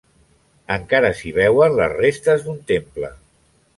Encara s'hi veuen les restes d'un temple.